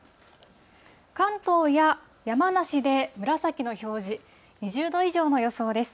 関東や山梨で紫の表示、２０度以上の予想です。